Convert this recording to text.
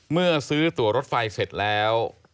เมื่อซื้อตัวรถไฟเสร็จแล้ว